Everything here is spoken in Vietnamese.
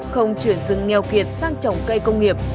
không chuyển rừng nghèo kiệt sang trồng cây công nghiệp